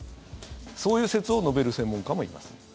そういう説を述べる専門家もいます。